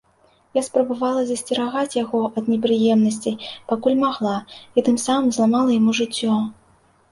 Я спрабавала засцерагаць яго ад непрыемнасцей, пакуль магла, і тым самым зламала яму жыццё.